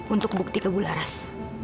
untuk bukti kebularas